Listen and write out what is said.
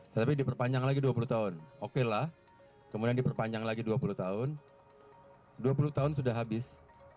tetapi diperpanjang lagi dua puluh tahun okelah kemudian diperpanjang lagi dua puluh tahun dua puluh tahun sudah habis